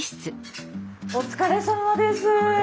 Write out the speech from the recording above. お疲れさまです。